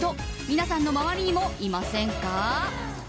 皆さんの周りにもいませんか？